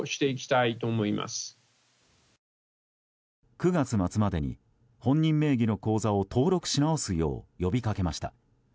９月末までに本人名義の口座を登録し直すよう呼びかけました。